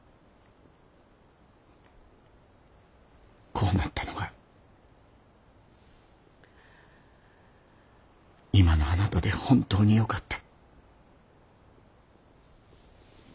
こうなったのが今のあなたで本当によかった。